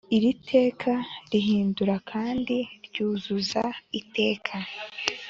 Iri teka rihindura kandi ryuzuza Iteka